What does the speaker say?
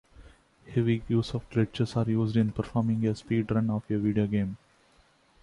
Heavy use of glitches are used in performing a speedrun of a video game.